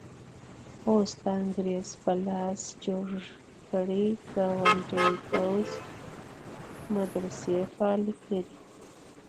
اوس د انګریز په لاس جوړ کړي ګاونډي پوځي مدرسې فعالې کړي.